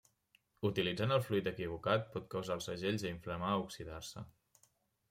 Utilitzant el fluid equivocat pot causar els segells a inflamar o oxidar-se.